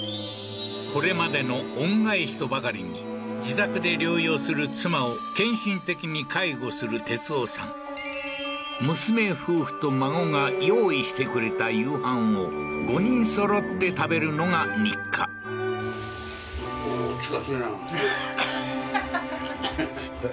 これまでの恩返しとばかりに自宅で療養する妻を献身的に介護する哲男さん娘夫婦と孫が用意してくれた夕飯を５人そろって食べるのが日課ははははっ